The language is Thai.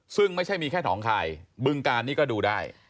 ซึ่งไม่ใช่มีแค่หนองคายบึงการนี่ก็ดูได้